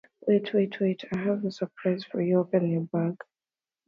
Wait, wait, wait! I have a surprise for you, open your bag.